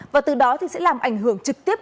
và từ đó thì sẽ làm ảnh hưởng trực tiếp